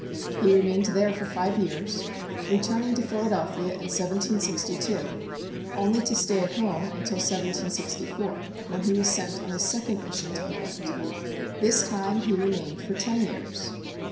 He remained there for five years, returning to Philadelphia in 1762, only to stay at home until 1764, when he was sent on his second mission to England. This time he remained for ten years.